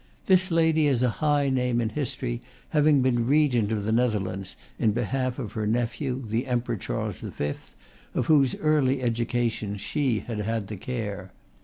This lady has a high name in history, having been regent of the Netherlands in behalf of her nephew, the Emperor Charles V., of whose early education she had had the care.